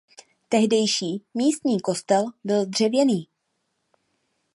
Tehdejší místní kostel byl dřevěný.